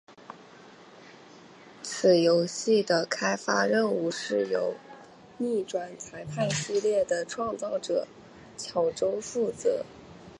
此游戏的开发任务是由逆转裁判系列的创造者巧舟负责。